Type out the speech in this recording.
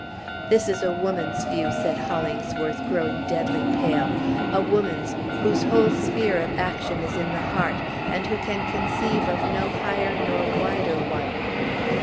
"This is a woman's view," said Hollingsworth, growing deadly pale, "a woman's, whose whole sphere of action is in the heart, and who can conceive of no higher nor wider one!"